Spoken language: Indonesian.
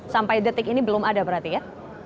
sampai detik ini belum ada berarti ya